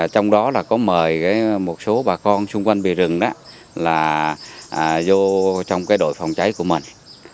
trong đó có mời một số bà con xung quanh bìa rừng vô trong đội phòng cháy của mình